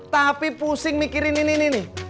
tapi pusing mikirin ini ini nih